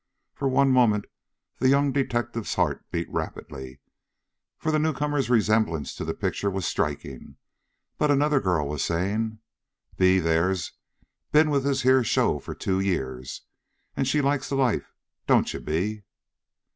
For one moment the young detective's heart beat rapidly, for the newcomer's resemblance to the picture was striking, but another girl was saying: "Bee, there, has been with this here show for two years, and she likes the life, don't you, Bee?"